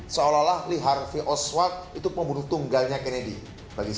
seolah olah lee harvey oswald itu pembunuh tunggalnya kennedy bagi saya